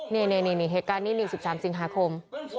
นี่นี่นี่นี่เหตุการณ์นี้ที่๑๓สิงหาคม